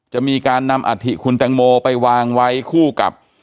จะมีการนำอาธิคุณแตงโมไปวางไว้คู่กับ